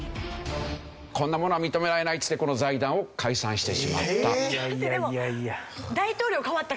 こんなものは認められないってこの財団を解散してしまった。